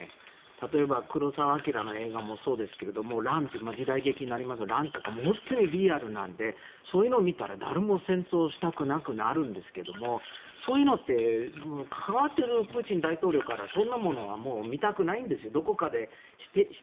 例えば黒澤明の映画もそうですが「乱」とか本当にリアルでそういうのを見たら、誰も戦争したくなくなるんですけどそういうのって関わっているプーチン大統領からそんなものは見たくないんです。